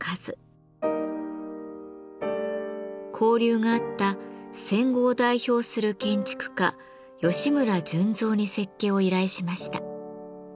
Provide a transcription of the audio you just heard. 交流があった戦後を代表する建築家吉村順三に設計を依頼しました。